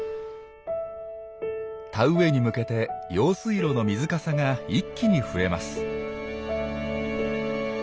田植えに向けて用水路の水かさが一気に増えます。